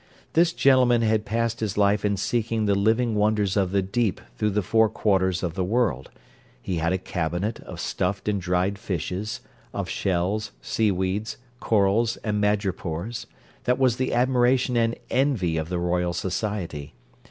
This gentleman had passed his life in seeking the living wonders of the deep through the four quarters of the world; he had a cabinet of stuffed and dried fishes, of shells, sea weeds, corals, and madrepores, that was the admiration and envy of the Royal Society.